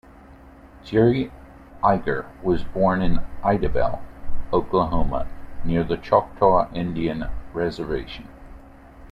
Jerry Iger was born in Idabel, Oklahoma, near the Choctaw Indian reservation.